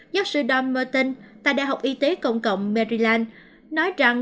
giáo sư don merton tại đại học y tế công cộng maryland nói rằng